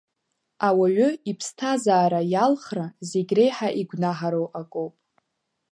Ауаҩы иԥсҭазаара иалхра зегьреиҳа игәнаҳароу акоуп.